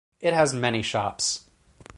It has many shops.